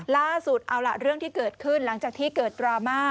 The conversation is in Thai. ล่าสุดเอาล่ะเรื่องที่เกิดขึ้นหลังจากที่เกิดดราม่า